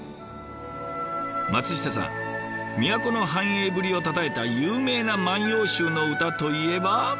松下さん都の繁栄ぶりをたたえた有名な「万葉集」の歌といえば？